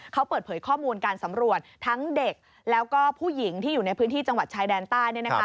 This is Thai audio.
เขาเปิดเผยข้อมูลการสำรวจทั้งเด็กแล้วก็ผู้หญิงที่อยู่ในพื้นที่จังหวัดชายแดนใต้